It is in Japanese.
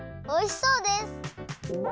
おいしそうです！